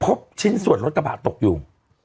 พบชิ้นส่วนรถกระบะตกอยู่